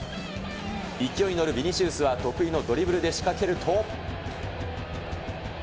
勢いに乗るビニシウスは得意のドリブルで仕かけると。